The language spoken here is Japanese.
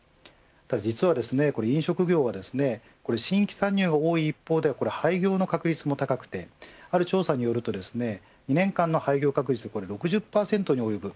実は、飲食業は新規参入が多い一方で廃業の確率も高くてある調査によると２年間の廃業確率が６０％に及ぶ。